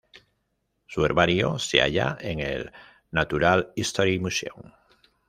Su herbario se halla en el Natural History Museum.